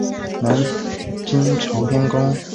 南京朝天宫冶山原有卞壸祠墓。